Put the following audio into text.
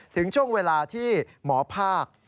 ถึงช่วงเวลาที่หมอภาค